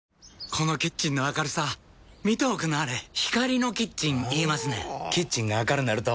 このキッチンの明るさ見ておくんなはれ光のキッチン言いますねんほぉキッチンが明るなると・・・